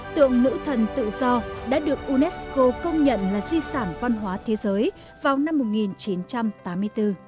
tượng nữ thần tự do đã được unesco công nhận là di sản văn hóa thế giới vào năm một nghìn chín trăm tám mươi bốn